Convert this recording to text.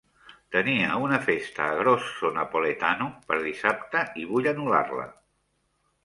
Tenia una festa a Grosso Napoletano per dissabte i vull anul·lar-la.